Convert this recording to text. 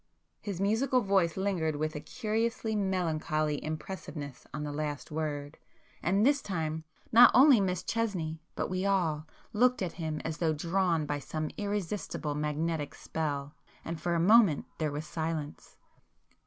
His musical voice lingered with a curiously melancholy impressiveness on the last word,—and this time, not only Miss Chesney, but we all, looked at him as though drawn by some irresistible magnetic spell, and for a moment there was silence.